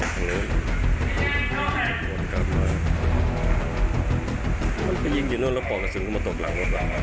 ก็ยิงอยู่นั่นแล้วปล่อยกระสุนเข้ามาตกหลัง